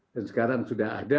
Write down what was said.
dan sekarang sudah ada